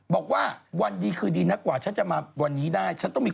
บอกว่าวันดีคือดีไม่ได้กว่าถือจะมาวันนี้ได้